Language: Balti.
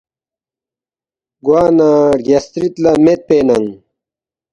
گوانہ رگیاسترِد لہ میدپے ننگ